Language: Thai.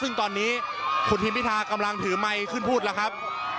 ซึ่งตอนนี้คุณทิมพิธากำลังถือไมค์ขึ้นพูดแล้วครับ